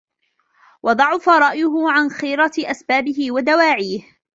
وَضَعُفَ رَأْيُهُ عَنْ خِيرَةِ أَسْبَابِهِ وَدَوَاعِيهِ